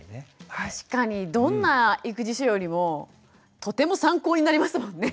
確かにどんな育児書よりもとても参考になりますもんね。